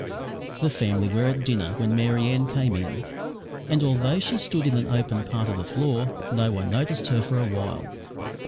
The family were at dinner when Mary Ann came in, and, although she stood on an open part of the floor, no one noticed her for a while.